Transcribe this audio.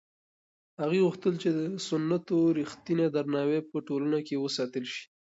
هغې غوښتل چې د سنتو رښتینی درناوی په ټولنه کې وساتل شي.